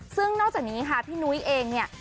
ซึ่งนอกจากนี้ค่ะพี่นุ้ยเองเนี่ย